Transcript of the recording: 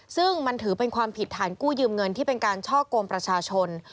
ซึ่งมันถือเป็นความผิดฐานกู้ยืมเงินที่เป็นการช่อกงประชาชน